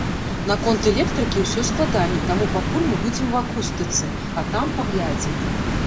Наконт электрыкі ўсё складаней, таму пакуль мы будзем у акустыцы, а там паглядзім.